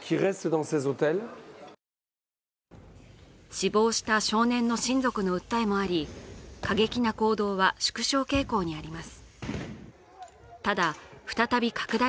死亡した少年の親族の訴えもあり、過激な行動は縮小傾向にあります。